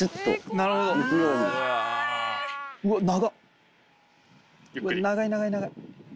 長い長い長い。